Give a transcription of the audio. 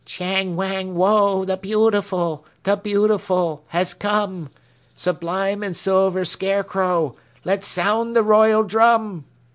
Chang Wang Woe, the Beautiful, The Beautiful has come! Sublime and silver Scarecrow, Let sound the royal drum!